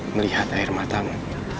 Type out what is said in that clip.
melihat air matamu